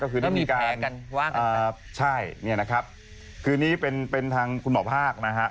ก็คือได้มีการใช่เนี่ยนะครับคือนี้เป็นทางคุณหมอภาคนะฮะ